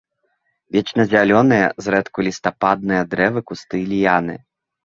Вечназялёныя, зрэдку лістападныя дрэвы, кусты і ліяны.